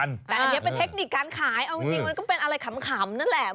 แต่อันนี้เป็นเทคนิคการขายเอาจริงมันก็เป็นอะไรขำนั่นแหละ